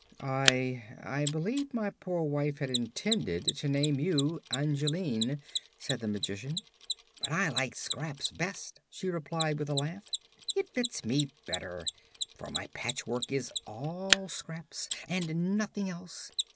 "I I believe my poor wife had intended to name you 'Angeline,'" said the Magician. "But I like 'Scraps' best," she replied with a laugh. "It fits me better, for my patchwork is all scraps, and nothing else.